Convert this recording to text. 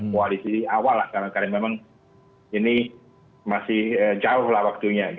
koalisi awal lah kadang kadang memang ini masih jauh lah waktunya